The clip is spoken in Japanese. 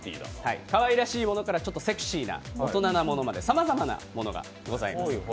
かわいらしいものから、ちょっとセクシーな大人なものまでさまざまなものがございます。